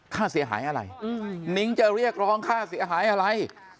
ค่าเสียหายอะไรนิ้งจะเรียกร้องค่าเสียหายอะไร